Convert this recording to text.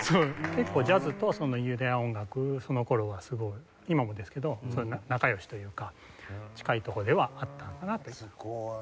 結構ジャズとユダヤ音楽その頃はすごい今もですけど仲良しというか近いとこではあったんだなという。